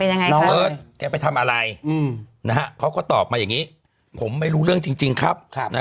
ยังไงน้องเอิร์ทแกไปทำอะไรเขาก็ตอบมาอย่างนี้ผมไม่รู้เรื่องจริงครับ